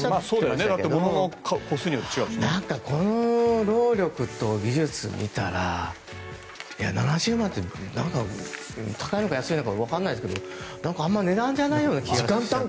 でも、この労力と技術を見たら７０万って何か高いのか安いのか分からないけどあまり値段じゃないような気がする。